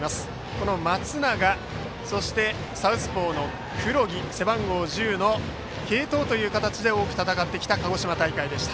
この松永、そして背番号１０のサウスポー黒木の継投という形で多く戦ってきた鹿児島大会でした。